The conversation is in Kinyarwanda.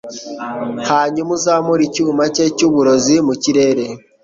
hanyuma uzamure icyuma cye cyuburozi mu kirere